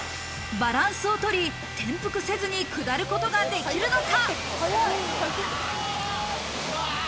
バランスを取り、転覆せずに下ることができるのか？